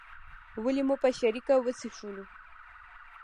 ولې مو په شریکه وڅښلو.